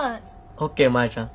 ＯＫマヤちゃん。